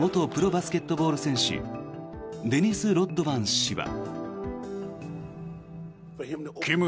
バスケットボール選手デニス・ロッドマン氏は。